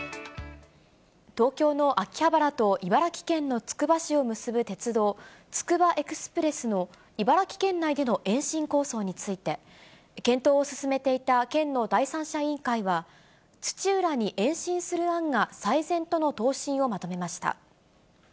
東京の秋葉原と茨城県のつくば市を結ぶ鉄道、つくばエクスプレスの茨城県内での延伸構想について、検討を進めていた県の第三者委員会は、土浦に延伸する案が最善との答申をまとめました。